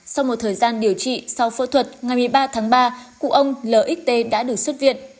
sau một thời gian điều trị sau phẫu thuật ngày một mươi ba tháng ba cụ ông lc đã được xuất viện